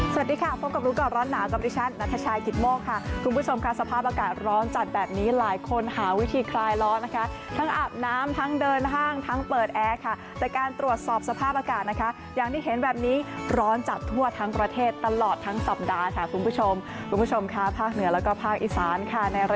สวัสดีค่ะพบกับรู้ก่อนร้อนหนาวกับดิฉันนัทชายกิตโมกค่ะคุณผู้ชมค่ะสภาพอากาศร้อนจัดแบบนี้หลายคนหาวิธีคลายร้อนนะคะทั้งอาบน้ำทั้งเดินห้างทั้งเปิดแอร์ค่ะแต่การตรวจสอบสภาพอากาศนะคะอย่างที่เห็นแบบนี้ร้อนจัดทั่วทั้งประเทศตลอดทั้งสัปดาห์ค่ะคุณผู้ชมคุณผู้ชมค่ะภาคเหนือแล้วก็ภาคอีสานค่ะ